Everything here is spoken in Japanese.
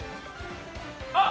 あっ！